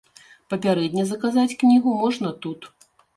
Папярэдне заказаць кнігу можна тут.